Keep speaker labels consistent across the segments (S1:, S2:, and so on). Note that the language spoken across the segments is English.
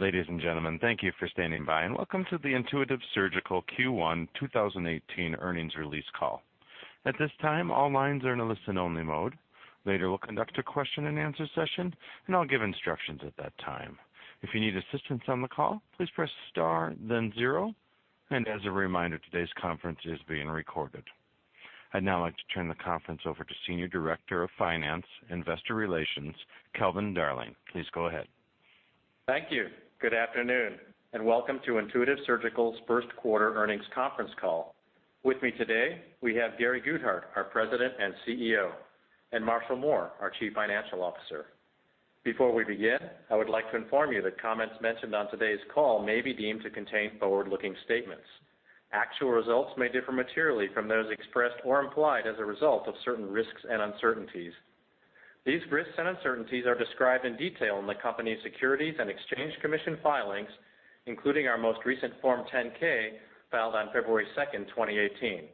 S1: Ladies and gentlemen, thank you for standing by and welcome to the Intuitive Surgical Q1 2018 earnings release call. At this time, all lines are in a listen-only mode. Later, we'll conduct a question and answer session, and I'll give instructions at that time. If you need assistance on the call, please press star then zero. As a reminder, today's conference is being recorded. I'd now like to turn the conference over to Senior Director of Finance, Investor Relations, Calvin Darling. Please go ahead.
S2: Thank you. Good afternoon and welcome to Intuitive Surgical's first quarter earnings conference call. With me today, we have Gary Guthart, our President and CEO, and Marshall Mohr, our Chief Financial Officer. Before we begin, I would like to inform you that comments mentioned on today's call may be deemed to contain forward-looking statements. Actual results may differ materially from those expressed or implied as a result of certain risks and uncertainties. These risks and uncertainties are described in detail in the company's Securities and Exchange Commission filings, including our most recent Form 10-K filed on February 2, 2018.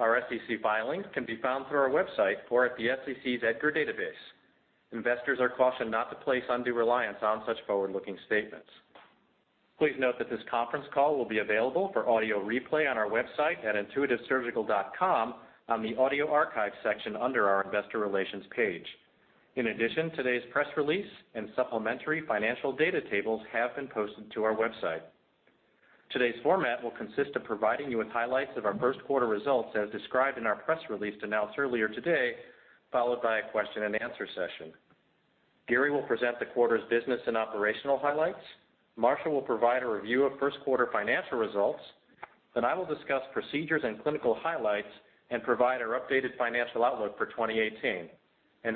S2: Our SEC filings can be found through our website or at the SEC's EDGAR database. Investors are cautioned not to place undue reliance on such forward-looking statements. Please note that this conference call will be available for audio replay on our website at intuitivesurgical.com on the audio archive section under our investor relations page. In addition, today's press release and supplementary financial data tables have been posted to our website. Today's format will consist of providing you with highlights of our first quarter results as described in our press release announced earlier today, followed by a question and answer session. Gary will present the quarter's business and operational highlights. Marshall will provide a review of first quarter financial results. I will discuss procedures and clinical highlights and provide our updated financial outlook for 2018.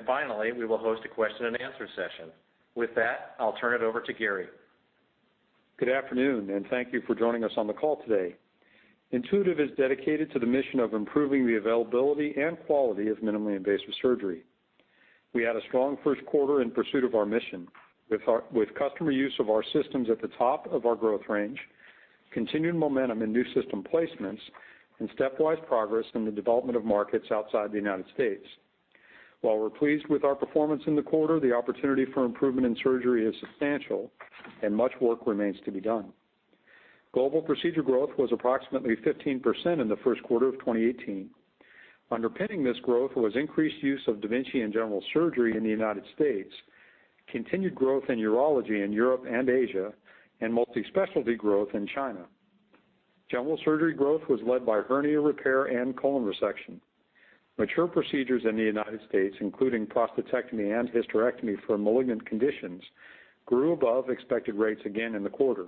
S2: Finally, we will host a question and answer session. With that, I'll turn it over to Gary.
S3: Good afternoon. Thank you for joining us on the call today. Intuitive is dedicated to the mission of improving the availability and quality of minimally invasive surgery. We had a strong first quarter in pursuit of our mission with customer use of our systems at the top of our growth range, continued momentum in new system placements, and stepwise progress in the development of markets outside the United States. While we're pleased with our performance in the quarter, the opportunity for improvement in surgery is substantial and much work remains to be done. Global procedure growth was approximately 15% in the first quarter of 2018. Underpinning this growth was increased use of da Vinci in general surgery in the United States, continued growth in urology in Europe and Asia, and multi-specialty growth in China. General surgery growth was led by hernia repair and colon resection. Mature procedures in the U.S., including prostatectomy and hysterectomy for malignant conditions, grew above expected rates again in the quarter.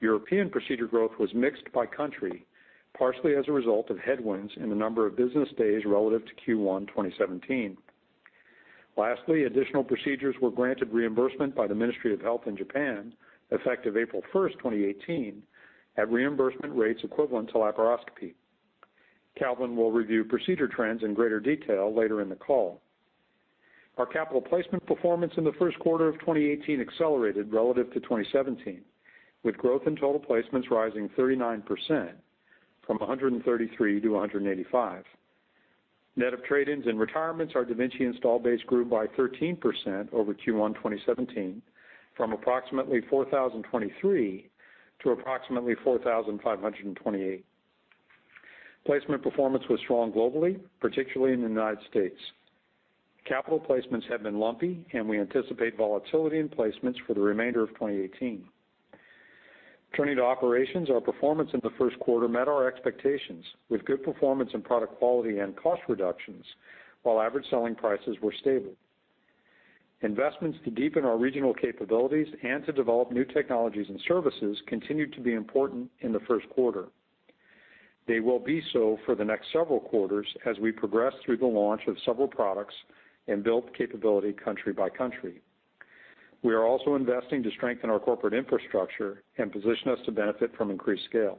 S3: European procedure growth was mixed by country, partially as a result of headwinds in the number of business days relative to Q1 2017. Lastly, additional procedures were granted reimbursement by the Ministry of Health in Japan, effective April 1st, 2018, at reimbursement rates equivalent to laparoscopy. Calvin will review procedure trends in greater detail later in the call. Our capital placement performance in the first quarter of 2018 accelerated relative to 2017, with growth in total placements rising 39%, from 133 to 185. Net of trade-ins and retirements, our da Vinci install base grew by 13% over Q1 2017 from approximately 4,023 to approximately 4,528. Placement performance was strong globally, particularly in the U.S. Capital placements have been lumpy, and we anticipate volatility in placements for the remainder of 2018. Turning to operations, our performance in the first quarter met our expectations with good performance in product quality and cost reductions, while average selling prices were stable. Investments to deepen our regional capabilities and to develop new technologies and services continued to be important in the first quarter. They will be so for the next several quarters as we progress through the launch of several products and build capability country by country. We are also investing to strengthen our corporate infrastructure and position us to benefit from increased scale.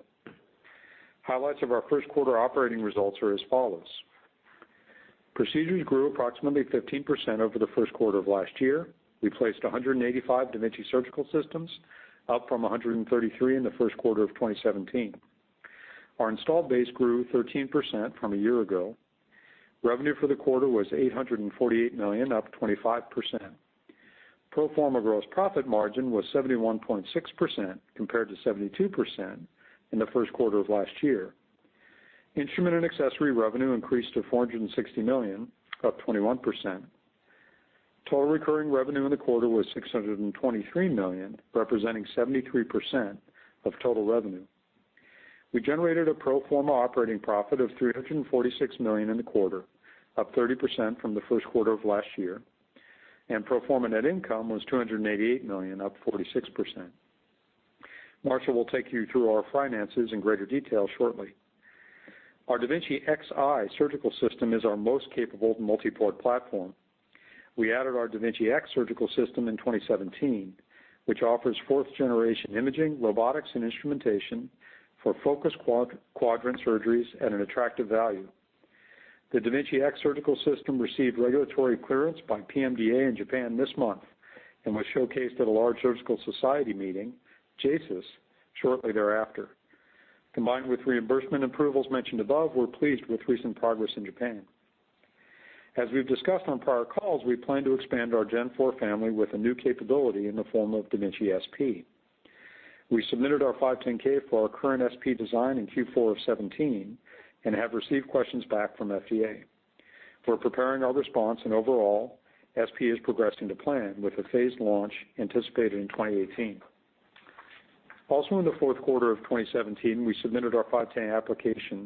S3: Highlights of our first quarter operating results are as follows. Procedures grew approximately 15% over the first quarter of last year. We placed 185 da Vinci surgical systems, up from 133 in the first quarter of 2017. Our installed base grew 13% from a year ago. Revenue for the quarter was $848 million, up 25%. Pro forma gross profit margin was 71.6% compared to 72% in the first quarter of last year. Instrument and accessory revenue increased to $460 million, up 21%. Total recurring revenue in the quarter was $623 million, representing 73% of total revenue. We generated a pro forma operating profit of $346 million in the quarter, up 30% from the first quarter of last year, and pro forma net income was $288 million, up 46%. Marshall will take you through our finances in greater detail shortly. Our da Vinci Xi surgical system is our most capable multi-port platform. We added our da Vinci X surgical system in 2017, which offers fourth generation imaging, robotics, and instrumentation for focused quadrant surgeries at an attractive value. The da Vinci X surgical system received regulatory clearance by PMDA in Japan this month and was showcased at a large surgical society meeting, JSSIS, shortly thereafter. Combined with reimbursement approvals mentioned above, we're pleased with recent progress in Japan. As we've discussed on prior calls, we plan to expand our gen four family with a new capability in the form of da Vinci SP. We submitted our 510 for our current SP design in Q4 2017 and have received questions back from FDA. We're preparing our response, and overall, SP is progressing to plan with a phased launch anticipated in 2018. Also, in the fourth quarter of 2017, we submitted our 510 application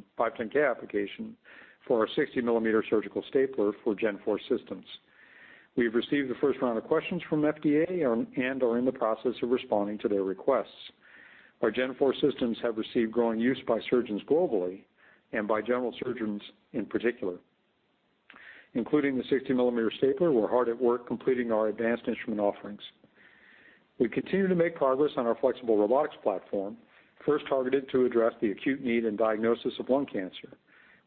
S3: for our 60-millimeter surgical stapler for gen four systems. We've received the first round of questions from FDA and are in the process of responding to their requests. Our gen four systems have received growing use by surgeons globally and by general surgeons, in particular. Including the 60-millimeter stapler, we're hard at work completing our advanced instrument offerings. We continue to make progress on our flexible robotics platform, first targeted to address the acute need in diagnosis of lung cancer,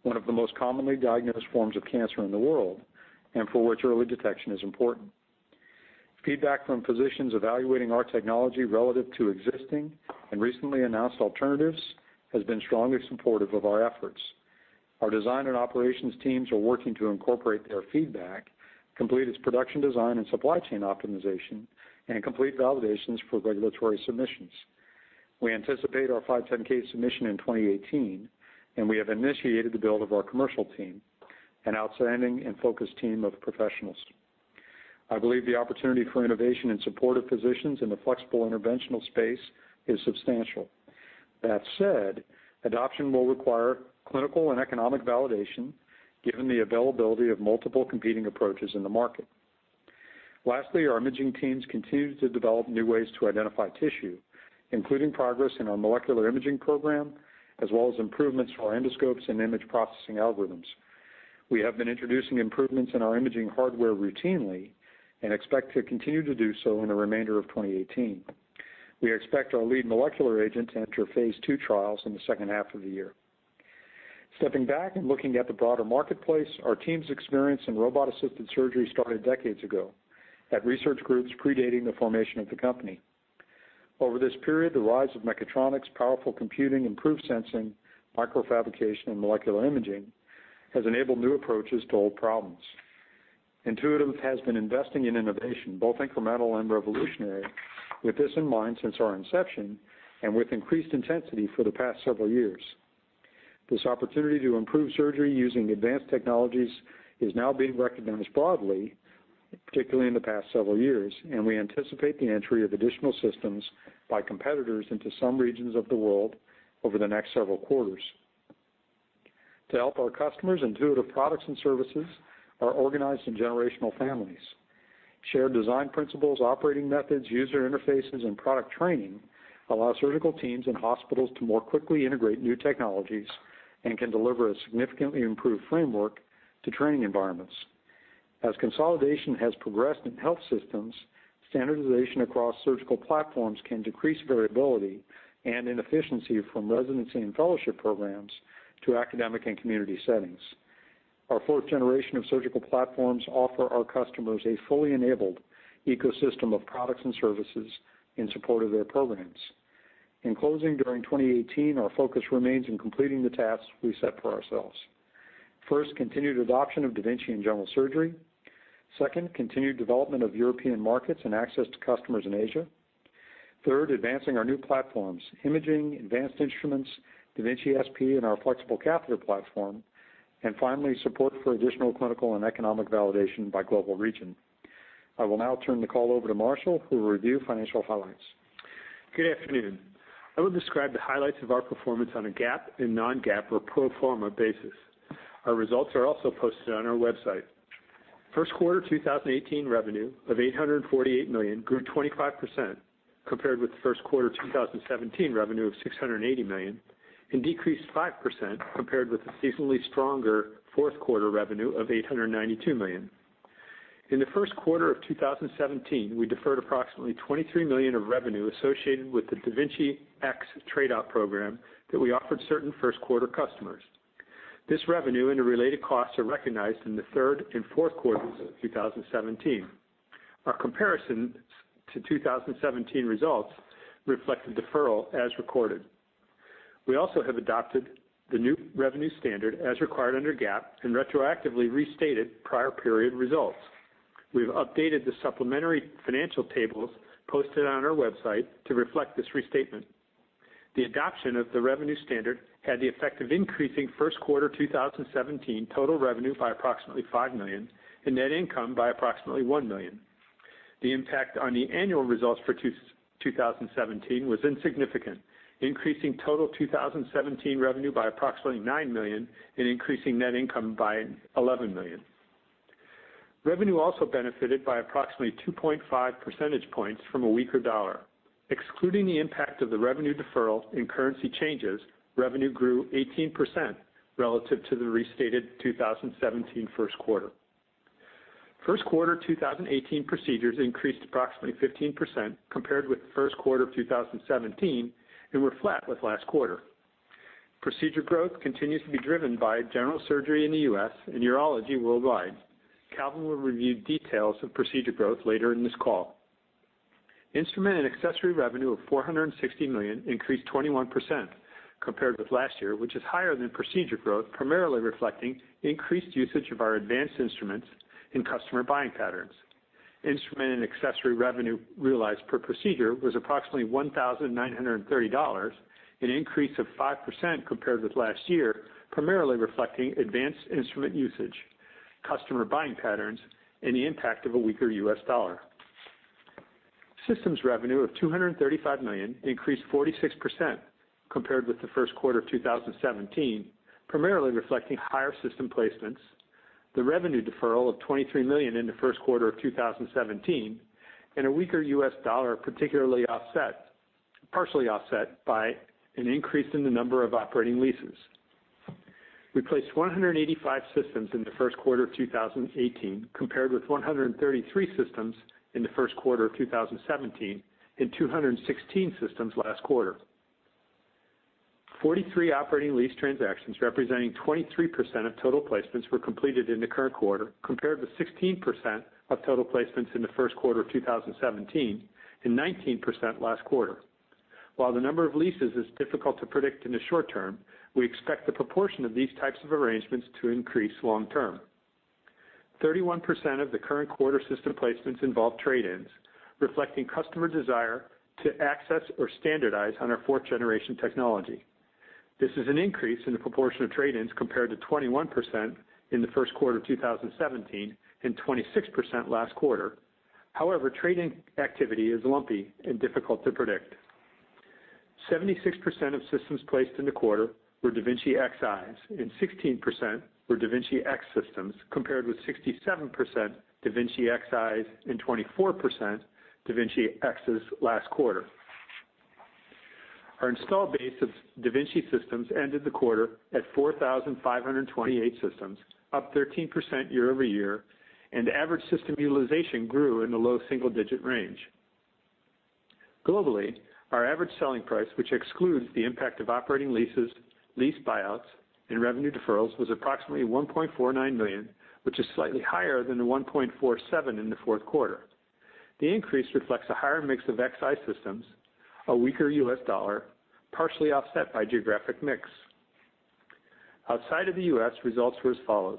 S3: one of the most commonly diagnosed forms of cancer in the world, and for which early detection is important. Feedback from physicians evaluating our technology relative to existing and recently announced alternatives has been strongly supportive of our efforts. Our design and operations teams are working to incorporate their feedback, complete its production design and supply chain optimization, and complete validations for regulatory submissions. We anticipate our 510 submission in 2018. We have initiated the build of our commercial team, an outstanding and focused team of professionals. I believe the opportunity for innovation in support of physicians in the flexible interventional space is substantial. That said, adoption will require clinical and economic validation, given the availability of multiple competing approaches in the market. Lastly, our imaging teams continue to develop new ways to identify tissue, including progress in our molecular imaging program, as well as improvements to our endoscopes and image processing algorithms. We have been introducing improvements in our imaging hardware routinely and expect to continue to do so in the remainder of 2018. We expect our lead molecular agent to enter phase II trials in the second half of the year. Stepping back and looking at the broader marketplace, our team's experience in robot-assisted surgery started decades ago at research groups predating the formation of the company. Over this period, the rise of mechatronics, powerful computing, improved sensing, microfabrication, and molecular imaging has enabled new approaches to old problems. Intuitive has been investing in innovation, both incremental and revolutionary, with this in mind since our inception and with increased intensity for the past several years. This opportunity to improve surgery using advanced technologies is now being recognized broadly, particularly in the past several years. We anticipate the entry of additional systems by competitors into some regions of the world over the next several quarters. To help our customers, Intuitive products and services are organized in generational families. Shared design principles, operating methods, user interfaces, and product training allow surgical teams and hospitals to more quickly integrate new technologies and can deliver a significantly improved framework to training environments. As consolidation has progressed in health systems, standardization across surgical platforms can decrease variability and inefficiency from residency and fellowship programs to academic and community settings. Our fourth generation of surgical platforms offer our customers a fully enabled ecosystem of products and services in support of their programs. In closing, during 2018, our focus remains in completing the tasks we set for ourselves. First, continued adoption of da Vinci in general surgery. Second, continued development of European markets and access to customers in Asia. Third, advancing our new platforms, imaging, advanced instruments, da Vinci SP, and our flexible catheter platform. Finally, support for additional clinical and economic validation by global region. I will now turn the call over to Marshall, who will review financial highlights.
S4: Good afternoon. I will describe the highlights of our performance on a GAAP and non-GAAP or pro forma basis. Our results are also posted on our website. First quarter 2018 revenue of $848 million grew 25% compared with first quarter 2017 revenue of $680 million, and decreased 5% compared with the seasonally stronger fourth quarter revenue of $892 million. In the first quarter of 2017, we deferred approximately $23 million of revenue associated with the da Vinci X trade-out program that we offered certain first-quarter customers. This revenue and the related costs are recognized in the third and fourth quarters of 2017. Our comparison to 2017 results reflect the deferral as recorded. We also have adopted the new revenue standard as required under GAAP and retroactively restated prior period results. We've updated the supplementary financial tables posted on our website to reflect this restatement. The adoption of the revenue standard had the effect of increasing first quarter 2017 total revenue by approximately $5 million and net income by approximately $1 million. The impact on the annual results for 2017 was insignificant, increasing total 2017 revenue by approximately $9 million and increasing net income by $11 million. Revenue also benefited by approximately 2.5 percentage points from a weaker US dollar. Excluding the impact of the revenue deferral and currency changes, revenue grew 18% relative to the restated 2017 first quarter. First quarter 2018 procedures increased approximately 15% compared with first quarter of 2017 and were flat with last quarter. Procedure growth continues to be driven by general surgery in the U.S. and urology worldwide. Calvin will review details of procedure growth later in this call. Instrument and accessory revenue of $460 million increased 21% compared with last year, which is higher than procedure growth, primarily reflecting increased usage of our advanced instruments in customer buying patterns. Instrument and accessory revenue realized per procedure was approximately $1,930, an increase of 5% compared with last year, primarily reflecting advanced instrument usage, customer buying patterns, and the impact of a weaker US dollar. Systems revenue of $235 million increased 46% compared with the first quarter of 2017, primarily reflecting higher system placements, the revenue deferral of $23 million in the first quarter of 2017, and a weaker US dollar, partially offset by an increase in the number of operating leases. We placed 185 systems in the first quarter of 2018 compared with 133 systems in the first quarter of 2017, and 216 systems last quarter. 43 operating lease transactions representing 23% of total placements were completed in the current quarter, compared with 16% of total placements in the first quarter of 2017, and 19% last quarter. While the number of leases is difficult to predict in the short term, we expect the proportion of these types of arrangements to increase long term. 31% of the current quarter system placements involve trade-ins, reflecting customer desire to access or standardize on our fourth generation technology. This is an increase in the proportion of trade-ins compared to 21% in the first quarter of 2017, and 26% last quarter. However, trade-in activity is lumpy and difficult to predict. 76% of systems placed in the quarter were da Vinci Xis, and 16% were da Vinci X systems, compared with 67% da Vinci Xis and 24% da Vinci Xs last quarter. Our installed base of da Vinci systems ended the quarter at 4,528 systems, up 13% year-over-year, and average system utilization grew in the low single-digit range. Globally, our average selling price, which excludes the impact of operating leases, lease buyouts, and revenue deferrals, was approximately $1.49 million, which is slightly higher than the $1.47 million in the fourth quarter. The increase reflects a higher mix of Xi systems, a weaker U.S. dollar, partially offset by geographic mix. Outside of the U.S., results were as follows.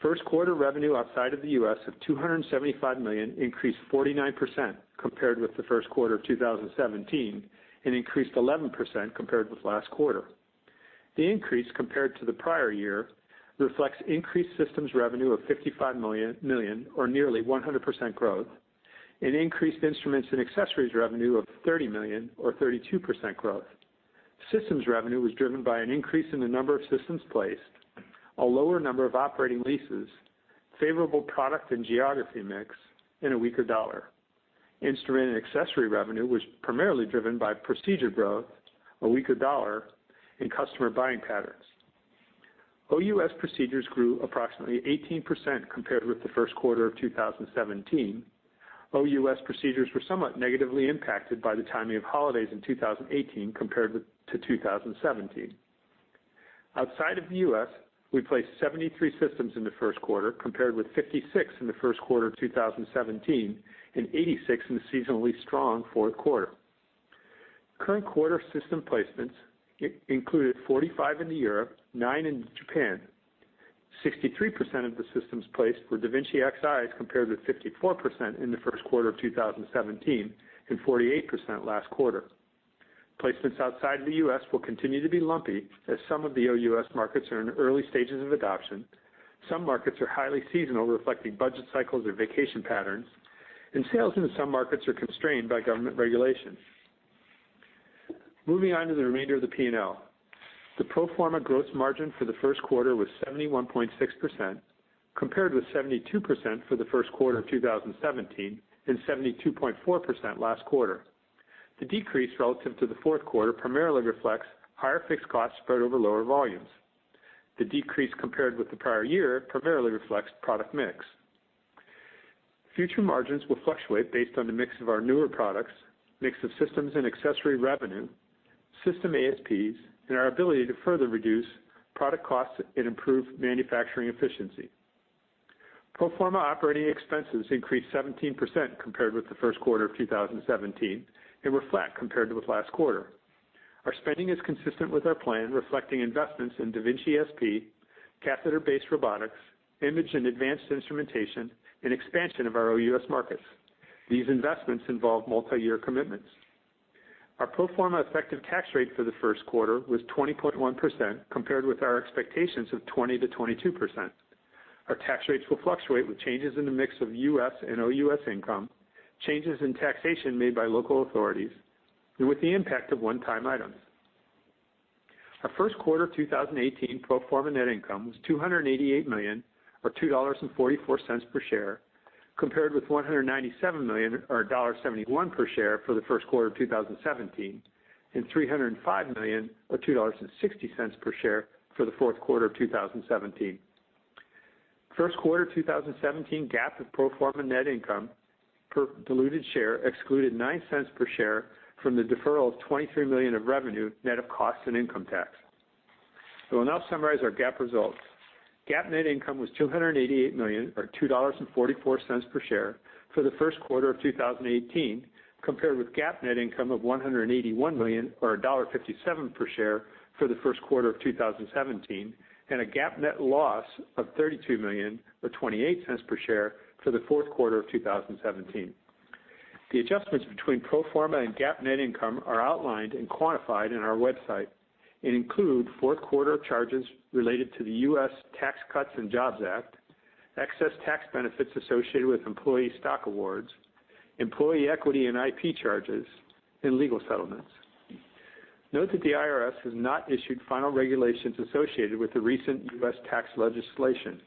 S4: First quarter revenue outside of the U.S. of $275 million increased 49% compared with the first quarter of 2017, and increased 11% compared with last quarter. The increase compared to the prior year reflects increased systems revenue of $55 million or nearly 100% growth, and increased instruments and accessories revenue of $30 million or 32% growth. Systems revenue was driven by an increase in the number of systems placed, a lower number of operating leases, favorable product and geography mix, and a weaker U.S. dollar. Instrument and accessory revenue was primarily driven by procedure growth, a weaker U.S. dollar, and customer buying patterns. OUS procedures grew approximately 18% compared with the first quarter of 2017. OUS procedures were somewhat negatively impacted by the timing of holidays in 2018 compared to 2017. Outside of the U.S., we placed 73 systems in the first quarter, compared with 56 in the first quarter of 2017, and 86 in the seasonally strong fourth quarter. Current quarter system placements included 45 in Europe, nine in Japan. 63% of the systems placed were da Vinci Xis compared with 54% in the first quarter of 2017, and 48% last quarter. Placements outside of the U.S. will continue to be lumpy as some of the OUS markets are in early stages of adoption. Some markets are highly seasonal, reflecting budget cycles or vacation patterns, and sales in some markets are constrained by government regulations. Moving on to the remainder of the P&L. The pro forma gross margin for the first quarter was 71.6%, compared with 72% for the first quarter of 2017, and 72.4% last quarter. The decrease relative to the fourth quarter primarily reflects higher fixed costs spread over lower volumes. The decrease compared with the prior year primarily reflects product mix. Future margins will fluctuate based on the mix of our newer products, mix of systems and accessory revenue, system ASPs, and our ability to further reduce product costs and improve manufacturing efficiency. Pro forma operating expenses increased 17% compared with the first quarter of 2017, and were flat compared with last quarter. Our spending is consistent with our plan, reflecting investments in da Vinci SP, catheter-based robotics, image and advanced instrumentation, and expansion of our OUS markets. These investments involve multi-year commitments. Our pro forma effective tax rate for the first quarter was 20.1%, compared with our expectations of 20%-22%. Our tax rates will fluctuate with changes in the mix of U.S. and OUS income, changes in taxation made by local authorities, and with the impact of one-time items. Our first quarter 2018 pro forma net income was $288 million, or $2.44 per share, compared with $197 million or $1.71 per share for the first quarter of 2017, and $305 million or $2.60 per share for the fourth quarter of 2017. First quarter 2017 GAAP of pro forma net income per diluted share excluded $0.09 per share from the deferral of $23 million of revenue, net of costs and income tax. I'll now summarize our GAAP results. GAAP net income was $288 million or $2.44 per share for the first quarter of 2018, compared with GAAP net income of $181 million or $1.57 per share for the first quarter of 2017, and a GAAP net loss of $32 million or $0.28 per share for the fourth quarter of 2017. The adjustments between pro forma and GAAP net income are outlined and quantified in our website and include fourth-quarter charges related to the U.S. Tax Cuts and Jobs Act, excess tax benefits associated with employee stock awards, employee equity and IP charges, and legal settlements. Note that the IRS has not issued final regulations associated with the recent U.S. tax legislation.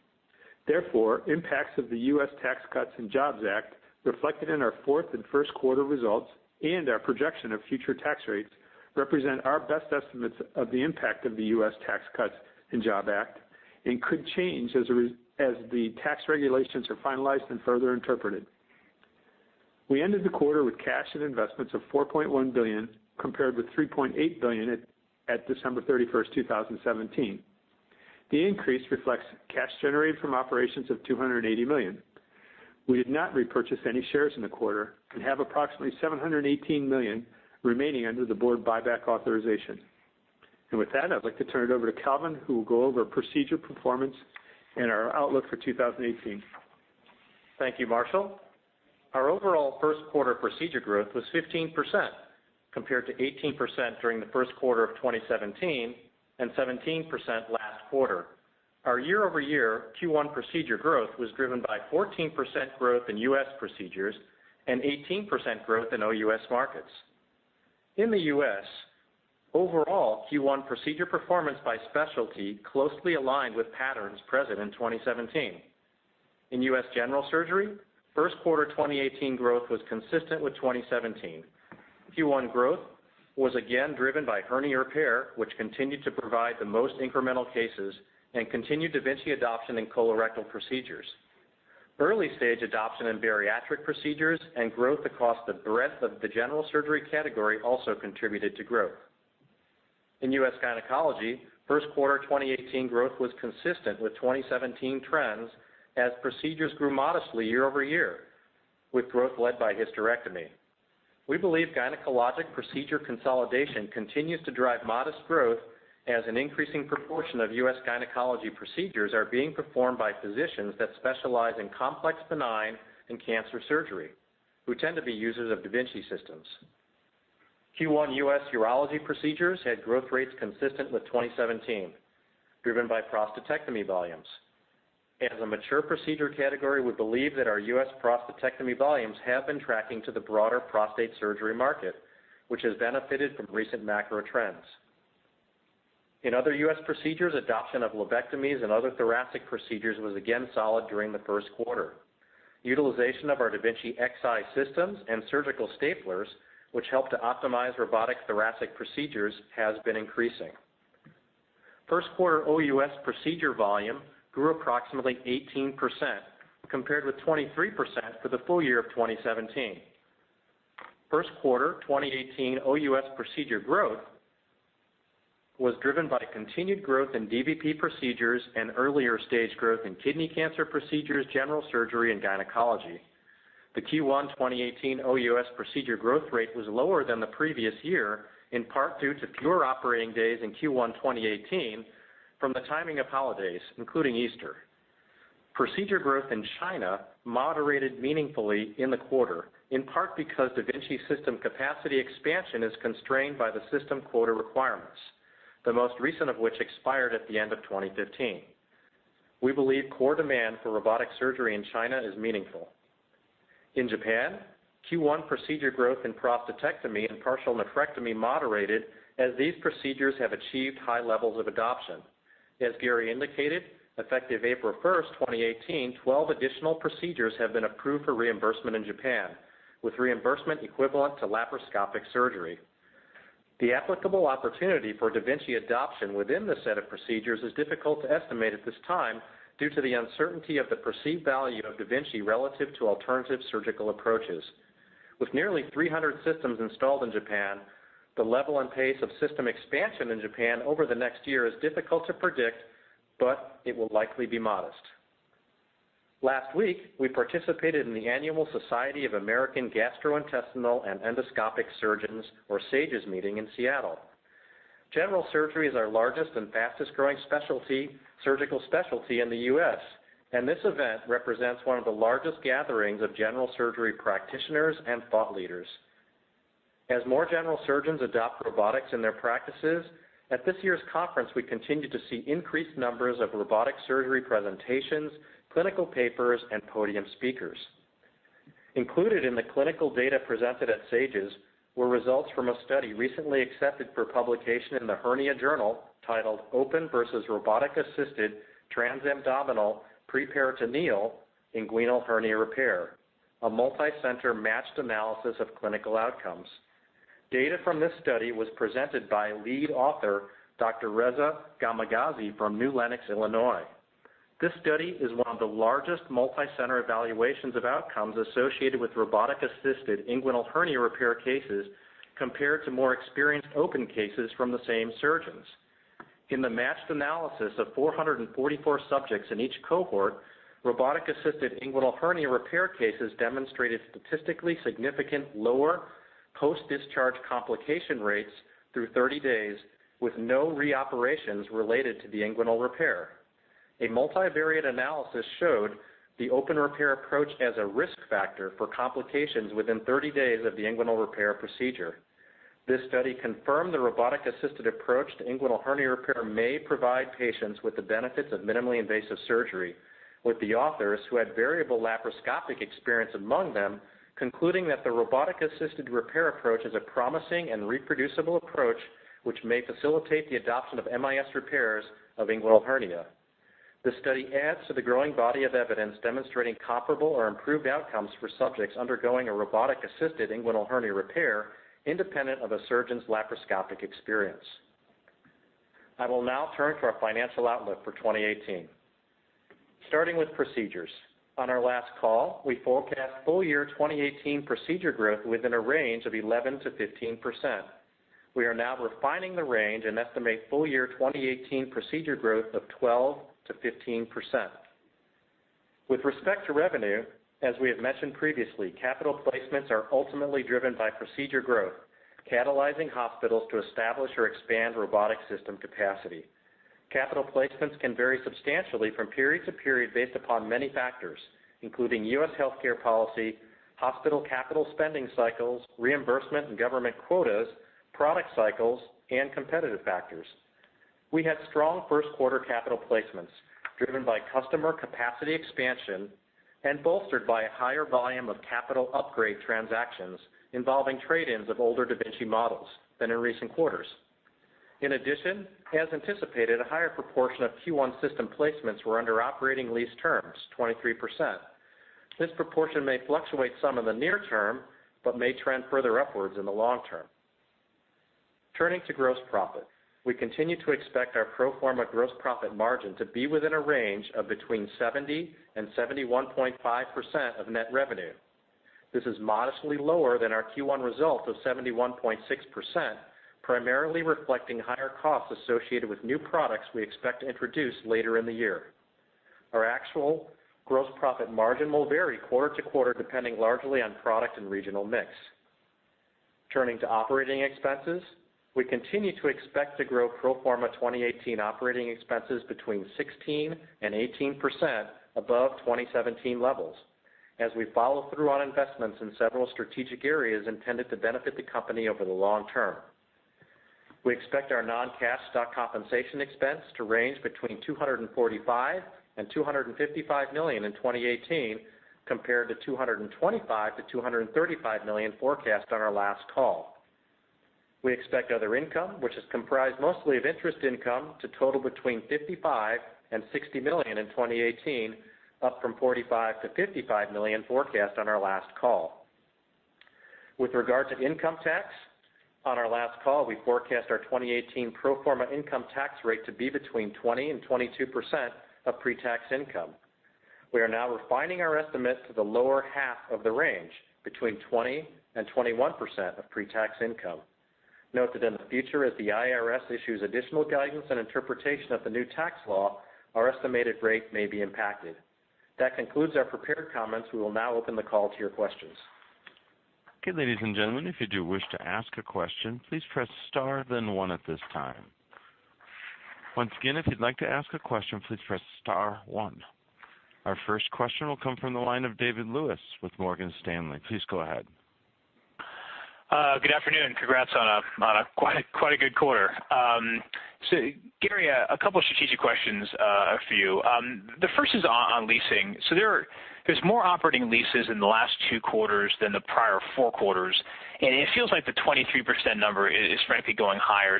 S4: Impacts of the U.S. Tax Cuts and Jobs Act reflected in our fourth and first quarter results and our projection of future tax rates represent our best estimates of the impact of the U.S. Tax Cuts and Jobs Act and could change as the tax regulations are finalized and further interpreted. We ended the quarter with cash and investments of $4.1 billion, compared with $3.8 billion at December 31st, 2017. The increase reflects cash generated from operations of $280 million. We did not repurchase any shares in the quarter and have approximately $718 million remaining under the board buyback authorization. With that, I'd like to turn it over to Calvin, who will go over procedure performance and our outlook for 2018.
S2: Thank you, Marshall. Our overall first quarter procedure growth was 15% compared to 18% during the first quarter of 2017 and 17% last quarter. Our year-over-year Q1 procedure growth was driven by 14% growth in U.S. procedures and 18% growth in OUS markets. In the U.S., overall Q1 procedure performance by specialty closely aligned with patterns present in 2017. In U.S. general surgery, first quarter 2018 growth was consistent with 2017. Q1 growth was again driven by hernia repair, which continued to provide the most incremental cases and continued da Vinci adoption in colorectal procedures. Early-stage adoption in bariatric procedures and growth across the breadth of the general surgery category also contributed to growth. In U.S. gynecology, first quarter 2018 growth was consistent with 2017 trends as procedures grew modestly year-over-year, with growth led by hysterectomy. We believe gynecologic procedure consolidation continues to drive modest growth as an increasing proportion of U.S. gynecology procedures are being performed by physicians that specialize in complex benign and cancer surgery, who tend to be users of da Vinci systems. Q1 U.S. urology procedures had growth rates consistent with 2017, driven by prostatectomy volumes. As a mature procedure category, we believe that our U.S. prostatectomy volumes have been tracking to the broader prostate surgery market, which has benefited from recent macro trends. In other U.S. procedures, adoption of lobectomies and other thoracic procedures was again solid during the first quarter. Utilization of our da Vinci Xi systems and surgical staplers, which help to optimize robotic thoracic procedures, has been increasing. First quarter OUS procedure volume grew approximately 18%, compared with 23% for the full year of 2017. First quarter 2018 OUS procedure growth was driven by continued growth in dVP procedures and earlier stage growth in kidney cancer procedures, general surgery, and gynecology. The Q1 2018 OUS procedure growth rate was lower than the previous year, in part due to fewer operating days in Q1 2018 from the timing of holidays, including Easter. Procedure growth in China moderated meaningfully in the quarter, in part because da Vinci system capacity expansion is constrained by the system quota requirements, the most recent of which expired at the end of 2015. We believe core demand for robotic surgery in China is meaningful. In Japan, Q1 procedure growth in prostatectomy and partial nephrectomy moderated as these procedures have achieved high levels of adoption. As Gary indicated, effective April 1st, 2018, 12 additional procedures have been approved for reimbursement in Japan, with reimbursement equivalent to laparoscopic surgery. The applicable opportunity for da Vinci adoption within the set of procedures is difficult to estimate at this time due to the uncertainty of the perceived value of da Vinci relative to alternative surgical approaches. With nearly 300 systems installed in Japan, the level and pace of system expansion in Japan over the next year is difficult to predict, but it will likely be modest. Last week, we participated in the annual Society of American Gastrointestinal and Endoscopic Surgeons, or SAGES, meeting in Seattle. General surgery is our largest and fastest-growing surgical specialty in the U.S. This event represents one of the largest gatherings of general surgery practitioners and thought leaders. As more general surgeons adopt robotics in their practices, at this year's conference, we continued to see increased numbers of robotic surgery presentations, clinical papers, and podium speakers. Included in the clinical data presented at SAGES were results from a study recently accepted for publication in the Hernia Journal titled Open versus Robotic-Assisted Transabdominal Preperitoneal Inguinal Hernia Repair, a multicenter matched analysis of clinical outcomes. Data from this study was presented by lead author Dr. Reza Gamagami from New Lenox, Illinois. This study is one of the largest multicenter evaluations of outcomes associated with robotic-assisted inguinal hernia repair cases compared to more experienced open cases from the same surgeons. In the matched analysis of 444 subjects in each cohort, robotic-assisted inguinal hernia repair cases demonstrated statistically significant lower post-discharge complication rates through 30 days, with no reoperations related to the inguinal repair. A multivariate analysis showed the open repair approach as a risk factor for complications within 30 days of the inguinal repair procedure. This study confirmed the robotic-assisted approach to inguinal hernia repair may provide patients with the benefits of minimally invasive surgery, with the authors, who had variable laparoscopic experience among them, concluding that the robotic-assisted repair approach is a promising and reproducible approach, which may facilitate the adoption of MIS repairs of inguinal hernia. This study adds to the growing body of evidence demonstrating comparable or improved outcomes for subjects undergoing a robotic-assisted inguinal hernia repair independent of a surgeon's laparoscopic experience. I will now turn to our financial outlook for 2018. Starting with procedures. On our last call, we forecast full-year 2018 procedure growth within a range of 11%-15%. We are now refining the range and estimate full-year 2018 procedure growth of 12%-15%. With respect to revenue, as we have mentioned previously, capital placements are ultimately driven by procedure growth, catalyzing hospitals to establish or expand robotic system capacity. Capital placements can vary substantially from period to period based upon many factors, including U.S. healthcare policy, hospital capital spending cycles, reimbursement and government quotas, product cycles, and competitive factors. We had strong first quarter capital placements driven by customer capacity expansion and bolstered by a higher volume of capital upgrade transactions involving trade-ins of older da Vinci models than in recent quarters. In addition, as anticipated, a higher proportion of Q1 system placements were under operating lease terms, 23%. This proportion may fluctuate some in the near term but may trend further upwards in the long term. Turning to gross profit. We continue to expect our pro forma gross profit margin to be within a range of between 70%-71.5% of net revenue. This is modestly lower than our Q1 result of 71.6%, primarily reflecting higher costs associated with new products we expect to introduce later in the year. Our actual gross profit margin will vary quarter to quarter, depending largely on product and regional mix. Turning to operating expenses. We continue to expect to grow pro forma 2018 operating expenses between 16%-18% above 2017 levels, as we follow through on investments in several strategic areas intended to benefit the company over the long term. We expect our non-cash stock compensation expense to range between $245 million-$255 million in 2018, compared to $225 million-$235 million forecast on our last call. We expect other income, which is comprised mostly of interest income, to total between $55 million-$60 million in 2018, up from $45 million-$55 million forecast on our last call. With regard to income tax, on our last call, we forecast our 2018 pro forma income tax rate to be between 20%-22% of pre-tax income. We are now refining our estimate to the lower half of the range, between 20%-21% of pre-tax income. Note that in the future, as the IRS issues additional guidance and interpretation of the new tax law, our estimated rate may be impacted. That concludes our prepared comments. We will now open the call to your questions.
S1: Okay, ladies and gentlemen, if you do wish to ask a question, please press star then one at this time. Once again, if you'd like to ask a question, please press star one. Our first question will come from the line of David Lewis with Morgan Stanley. Please go ahead.
S5: Good afternoon. Congrats on a quite a good quarter. Gary, a couple of strategic questions for you. The first is on leasing. There's more operating leases in the last two quarters than the prior four quarters, and it feels like the 23% number is frankly going higher.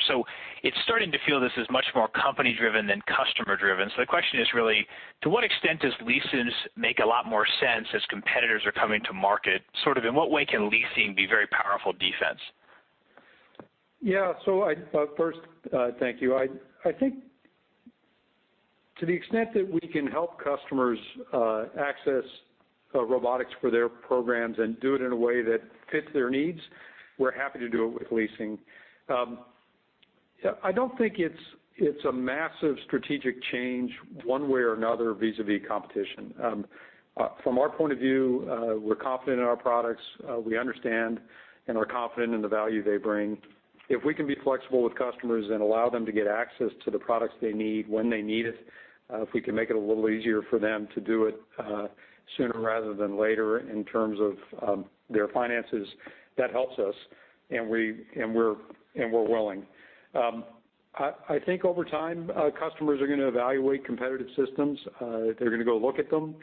S5: It's starting to feel this is much more company driven than customer driven. The question is really, to what extent does leases make a lot more sense as competitors are coming to market? Sort of in what way can leasing be very powerful defense?
S3: Yeah. First, thank you. I think to the extent that we can help customers access robotics for their programs and do it in a way that fits their needs, we're happy to do it with leasing. I don't think it's a massive strategic change one way or another vis-a-vis competition. From our point of view, we're confident in our products. We understand and are confident in the value they bring. If we can be flexible with customers and allow them to get access to the products they need when they need it, if we can make it a little easier for them to do it sooner rather than later in terms of their finances, that helps us, and we're willing. I think over time, customers are going to evaluate competitive systems.
S2: They're going to go look at them,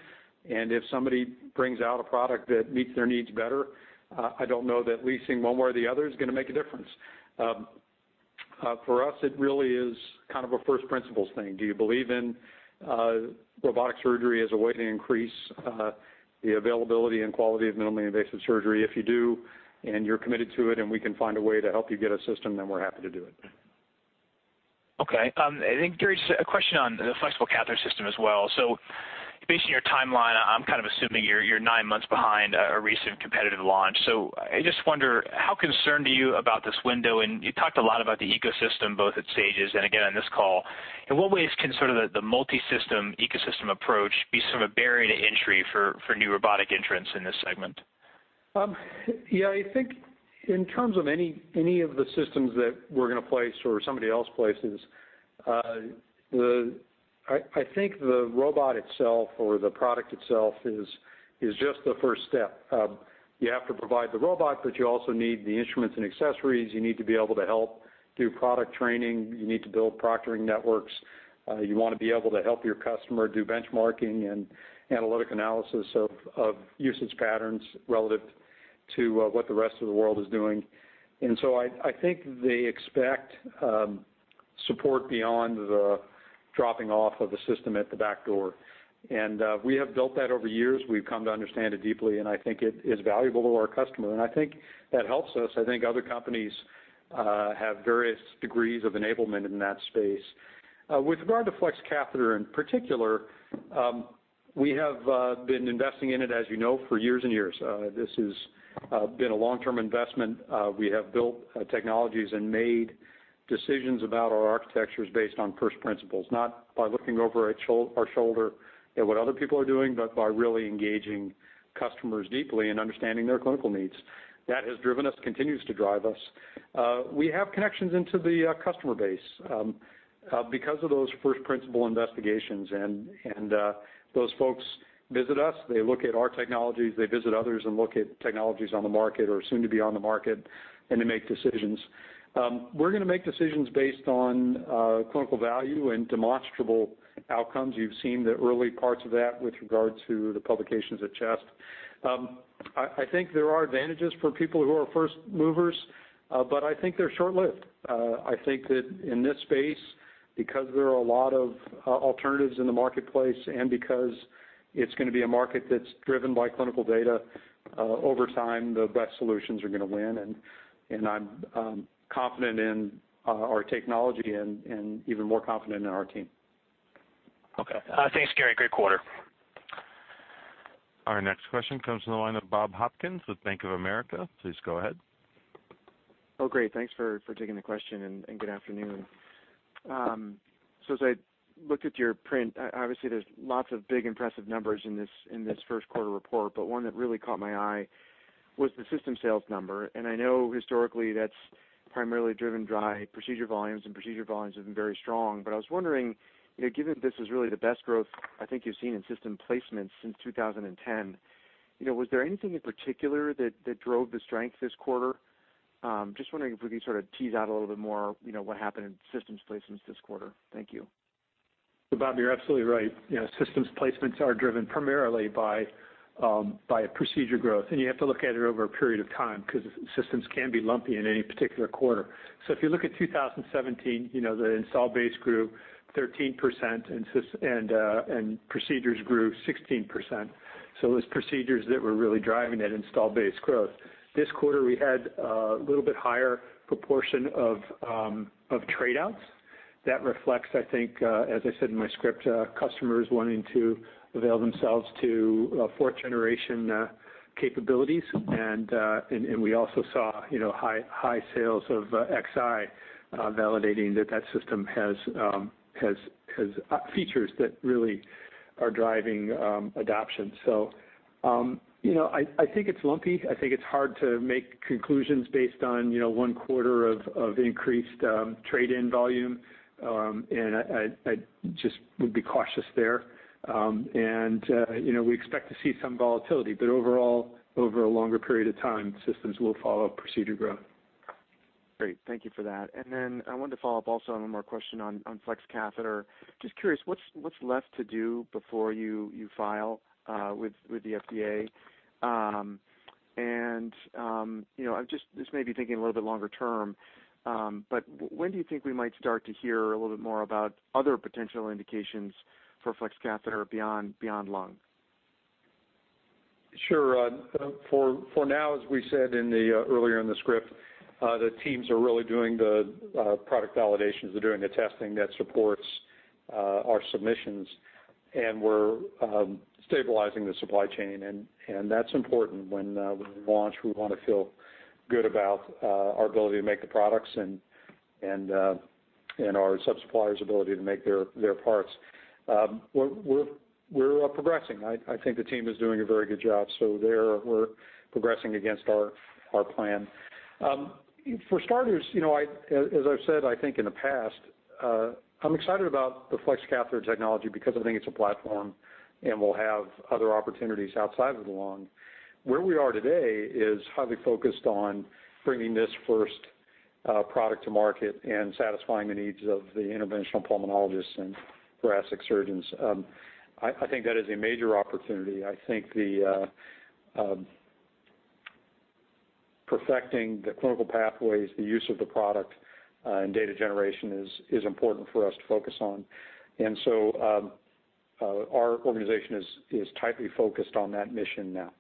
S2: if somebody brings out a product that meets their needs better, I don't know that leasing one way or the other is going to make a difference. For us, it really is kind of a first principles thing. Do you believe in robotic surgery as a way to increase the availability and quality of minimally invasive surgery? If you do and you're committed to it and we can find a way to help you get a system, we're happy to do it.
S5: Okay. I think, Gary, just a question on the flexible catheter system as well. Based on your timeline, I'm kind of assuming you're nine months behind a recent competitive launch. I just wonder, how concerned are you about this window? You talked a lot about the ecosystem, both at SAGES and again on this call. In what ways can sort of the multi-system ecosystem approach be sort of a barrier to entry for new robotic entrants in this segment?
S3: Yeah, I think in terms of any of the systems that we're going to place or somebody else places, I think the robot itself or the product itself is just the first step. You have to provide the robot, but you also need the instruments and accessories. You need to be able to help do product training. You need to build proctoring networks. You want to be able to help your customer do benchmarking and analytic analysis of usage patterns relative to what the rest of the world is doing. I think they expect support beyond the dropping off of the system at the back door. We have built that over years. We've come to understand it deeply, and I think it is valuable to our customer, and I think that helps us. I think other companies have various degrees of enablement in that space. With regard to flex catheter in particular, we have been investing in it, as you know, for years and years. This has been a long-term investment. We have built technologies and made decisions about our architectures based on first principles, not by looking over our shoulder at what other people are doing, but by really engaging customers deeply and understanding their clinical needs. That has driven us, continues to drive us. We have connections into the customer base because of those first-principle investigations, and those folks visit us. They look at our technologies. They visit others and look at technologies on the market or soon to be on the market, and they make decisions. We're going to make decisions based on clinical value and demonstrable outcomes. You've seen the early parts of that with regard to the publications at CHEST. I think there are advantages for people who are first movers, but I think they're short-lived. I think that in this space, because there are a lot of alternatives in the marketplace and because it's going to be a market that's driven by clinical data, over time, the best solutions are going to win. I'm confident in our technology and even more confident in our team.
S5: Okay. Thanks, Gary. Great quarter.
S1: Our next question comes from the line of Bob Hopkins with Bank of America. Please go ahead.
S6: Great. Thanks for taking the question, and good afternoon. As I looked at your print, obviously there's lots of big impressive numbers in this first quarter report, but one that really caught my eye was the system sales number. I know historically that's primarily driven by procedure volumes, and procedure volumes have been very strong. I was wondering, given this is really the best growth I think you've seen in system placements since 2010, was there anything in particular that drove the strength this quarter? Just wondering if we could sort of tease out a little bit more what happened in systems placements this quarter. Thank you.
S3: Bob, you're absolutely right. Systems placements are driven primarily by procedure growth, and you have to look at it over a period of time because systems can be lumpy in any particular quarter. If you look at 2017, the install base grew 13% and procedures grew 16%. It was procedures that were really driving that install base growth. This quarter, we had a little bit higher proportion of trade-outs. That reflects, I think as I said in my script, customers wanting to avail themselves to fourth-generation capabilities. We also saw high sales of Xi validating that system has features that really are driving adoption. I think it's lumpy. I think it's hard to make conclusions based on one quarter of increased trade-in volume, and I just would be cautious there. We expect to see some volatility, but overall, over a longer period of time, systems will follow procedure growth.
S6: Great. Thank you for that. I wanted to follow up also on one more question on flex catheter. Just curious, what's left to do before you file with the FDA? This may be thinking a little bit longer term, but when do you think we might start to hear a little bit more about other potential indications for flex catheter beyond lung?
S3: Sure. For now, as we said earlier in the script, the teams are really doing the product validations. They're doing the testing that supports our submissions, we're stabilizing the supply chain, that's important. When we launch, we want to feel good about our ability to make the products and our sub-suppliers' ability to make their parts. We're progressing. I think the team is doing a very good job. There, we're progressing against our plan. For starters, as I've said I think in the past, I'm excited about the flex catheter technology because I think it's a platform, we'll have other opportunities outside of the lung. Where we are today is highly focused on bringing this first product to market and satisfying the needs of the interventional pulmonologists and thoracic surgeons. I think that is a major opportunity. I think the perfecting the clinical pathways, the use of the product, and data generation is important for us to focus on. Our organization is tightly focused on that mission now.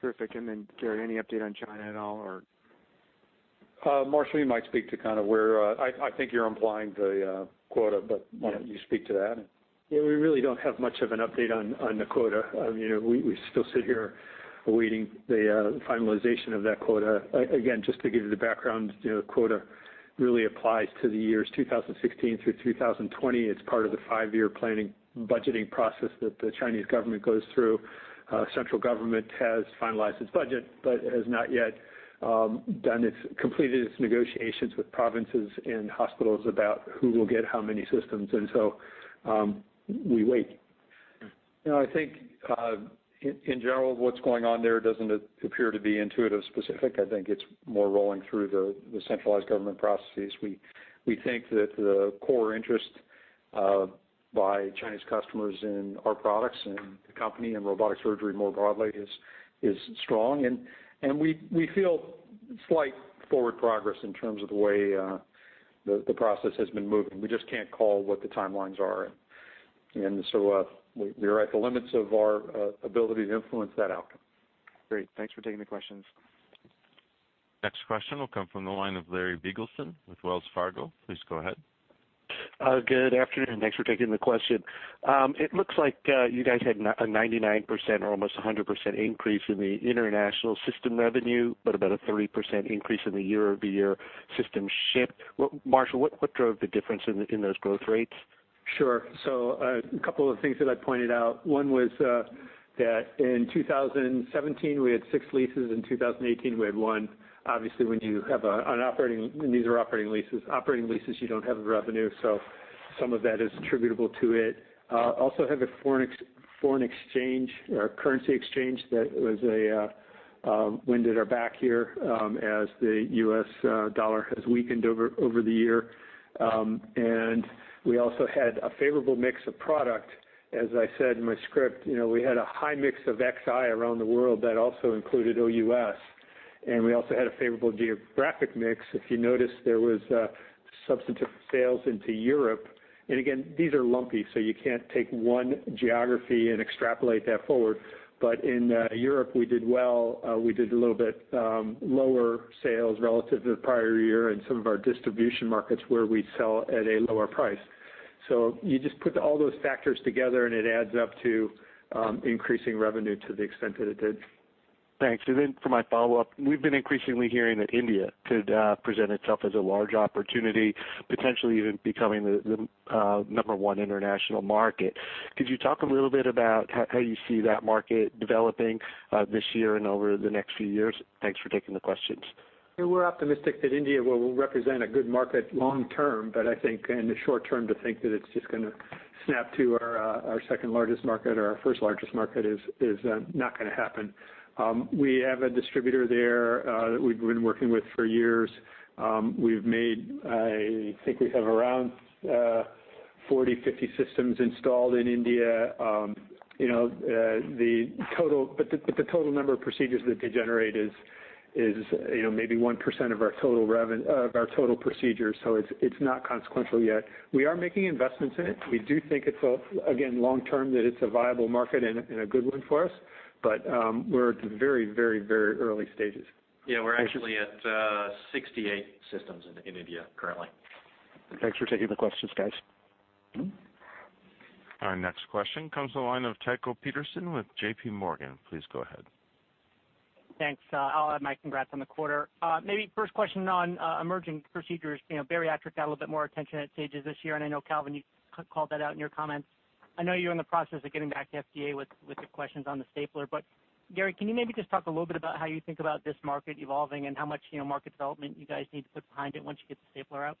S6: Terrific. Gary, any update on China at all?
S3: Marshall, you might speak to where I think you're implying the quota, but why don't you speak to that?
S4: Yeah, we really don't have much of an update on the quota. We still sit here awaiting the finalization of that quota. Again, just to give you the background, the quota really applies to the years 2016 through 2020. It's part of the five-year planning budgeting process that the Chinese government goes through. Central government has finalized its budget, but has not yet completed its negotiations with provinces and hospitals about who will get how many systems. We wait.
S3: I think, in general, what's going on there doesn't appear to be Intuitive specific. I think it's more rolling through the centralized government processes. We think that the core interest by Chinese customers in our products and the company and robotic surgery more broadly is strong, and we feel slight forward progress in terms of the way the process has been moving. We just can't call what the timelines are. We are at the limits of our ability to influence that outcome.
S6: Great. Thanks for taking the questions.
S1: Next question will come from the line of Larry Biegelsen with Wells Fargo. Please go ahead.
S7: Good afternoon. Thanks for taking the question. It looks like you guys had a 99% or almost 100% increase in the international system revenue, about a 30% increase in the year-over-year system shipped. Marshall, what drove the difference in those growth rates?
S4: Sure. A couple of things that I pointed out. One was that in 2017, we had six leases. In 2018, we had one. Obviously, when you have an operating, and these are operating leases. Operating leases, you don't have a revenue, so some of that is attributable to it. Also have a foreign exchange or currency exchange that wind at our back here, as the U.S. dollar has weakened over the year. We also had a favorable mix of product. As I said in my script, we had a high mix of Xi around the world that also included OUS. We also had a favorable geographic mix. If you notice, there was substantive sales into Europe. Again, these are lumpy, so you can't take one geography and extrapolate that forward. In Europe, we did well. We did a little bit lower sales relative to the prior year in some of our distribution markets where we sell at a lower price. You just put all those factors together, and it adds up to increasing revenue to the extent that it did.
S7: Thanks. For my follow-up, we've been increasingly hearing that India could present itself as a large opportunity, potentially even becoming the number one international market. Could you talk a little bit about how you see that market developing this year and over the next few years? Thanks for taking the questions.
S4: We're optimistic that India will represent a good market long term, I think in the short term, to think that it's just going to snap to our second largest market or our first largest market is not going to happen. We have a distributor there that we've been working with for years. I think we have around 40, 50 systems installed in India. The total number of procedures that they generate is maybe 1% of our total procedures. It's not consequential yet. We are making investments in it. We do think, again, long term, that it's a viable market and a good one for us. We're at the very early stages.
S2: We're actually at 68 systems in India currently.
S7: Thanks for taking the questions, guys.
S1: Our next question comes to the line of Tycho Peterson with J.P. Morgan. Please go ahead.
S8: Thanks. I'll add my congrats on the quarter. Maybe first question on emerging procedures. Bariatric got a little bit more attention at SAGES this year, and I know Calvin, you called that out in your comments. I know you're in the process of getting back to FDA with the questions on the stapler. Gary, can you maybe just talk a little bit about how you think about this market evolving and how much market development you guys need to put behind it once you get the stapler out?